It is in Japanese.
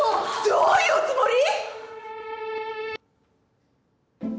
どういうおつもり！？